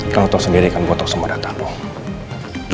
kalo tau sendiri kan gua tau semua data lo